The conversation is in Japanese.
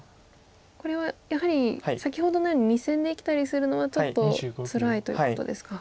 これはやはり先ほどのように２線で生きたりするのはちょっとつらいということですか。